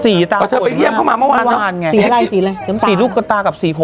สีตาออกมาเมื่อวานไงสีอะไรสีอะไรสีรูปกระตากับสีผมอะ